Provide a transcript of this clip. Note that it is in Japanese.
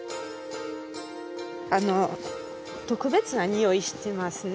あの特別なにおいしてますね？